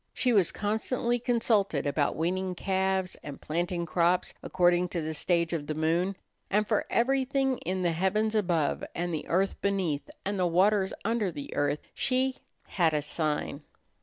She was constantly consulted about weaning calves, and planting crops according to the stage of the moon. And for everything in the heavens above and the earth beneath and the waters under the earth she "had a sign."